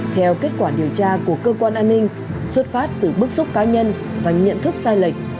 theo kết quả điều tra của cơ quan an ninh xuất phát từ bức xúc cá nhân và nhận thức sai lệch